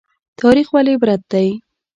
تاریخ ولې عبرت دی؟